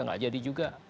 nggak jadi juga